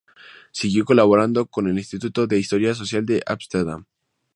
Siguió colaborando con el Instituto de Historia Social de Ámsterdam.